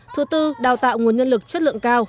thứ tư đào tạo nguồn nhân lực chất lượng